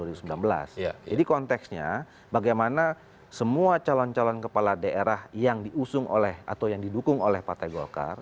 jadi konteksnya bagaimana semua calon calon kepala daerah yang diusung oleh atau yang didukung oleh partai golkar